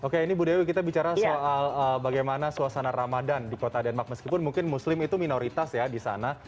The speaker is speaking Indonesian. oke ini bu dewi kita bicara soal bagaimana suasana ramadan di kota denmark meskipun mungkin muslim itu minoritas ya di sana